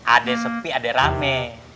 ada yang sepi ada yang rame